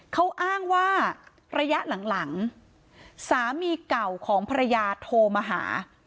เขาอ้างว่าระยะหลังสามีเก่าของภรรยาโทรมาหา